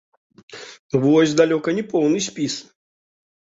Вось далёка не поўны спіс.